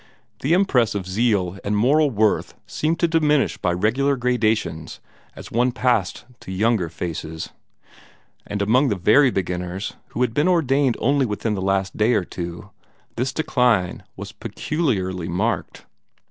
The impress of zeal and moral worth seemed to diminish by regular gradations as one passed to younger faces; and among the very beginners, who had been ordained only within the past day or two, this decline was peculiarly marked.